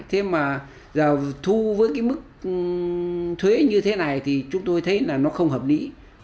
thế mà giờ thu với cái mức thuế như thế này thì chúng tôi thấy là nó không hợp lý